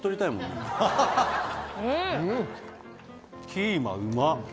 キーマうまっ！